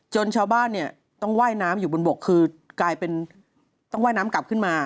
ชาวบ้านเนี่ยต้องว่ายน้ำอยู่บนบกคือกลายเป็นต้องว่ายน้ำกลับขึ้นมา